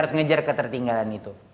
harus ngejar ketertinggalan itu